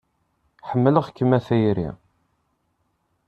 Ḥemmleɣ-kem a tayri.